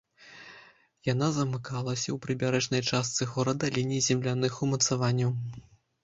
Яна замыкалася ў прыбярэжнай частцы горада лініяй земляных умацаванняў.